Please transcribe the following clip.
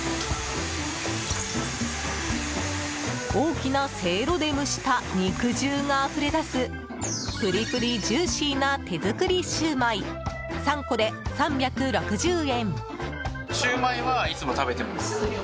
大きなせいろで蒸した肉汁があふれ出すぷりぷりジューシーな手作りシューマイ３個で３６０円。